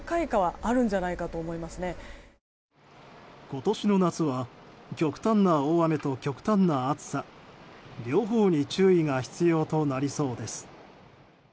今年の夏は極端な大雨と極端な暑さ両方に注意が必要となりそうです。